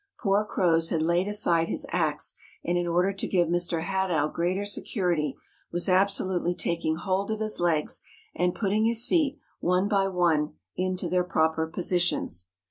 Poor Croz had laid aside his axe, and in order to give Mr. Hadow greater security was absolutely taking hold of his legs and putting his feet, one by one, into their proper positions.